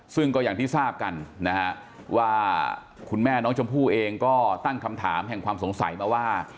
ซึ่งก็อย่างที่ทราบกันนะฮะว่าคุณแม่น้องชมพู่เองก็ตั้งคำถามแห่งความสงสัยมาว่า